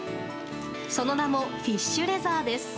その名もフィッシュレザーです。